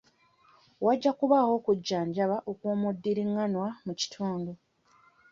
Wajja kubaawo okujjanjaba okw'omuddiringanwa mu kitundu.